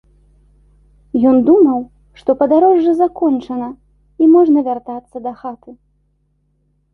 Ён думаў, што падарожжа закончана, і можна вяртацца дахаты.